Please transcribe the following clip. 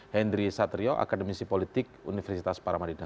hendry satrio akademisi politik universitas paramaridang